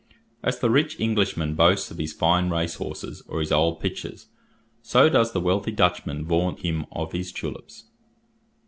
As the rich Englishman boasts of his fine race horses or his old pictures, so does the wealthy Dutchman vaunt him of his tulips.